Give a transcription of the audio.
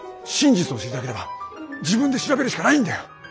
真実を知りたければ自分で調べるしかないんだよ。